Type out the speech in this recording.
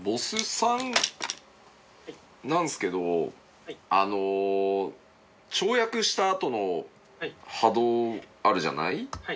３なんすけどあの跳躍したあとの波動あるじゃない？